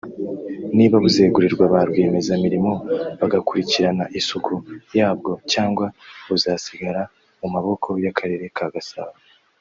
niba buzegurirwa ba rwiyemezamirimo bagakurikirana isuku yabwo cyangwa buzasigara mu maboka y’akarere ka Gasabo